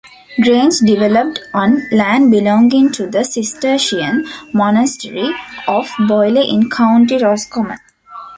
Grange developed on land belonging to the Cistercian monastery of Boyle in County Roscommon.